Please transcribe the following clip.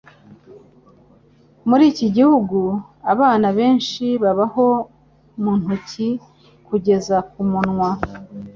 Muri iki gihugu, abana benshi babaho mu ntoki kugeza ku munwa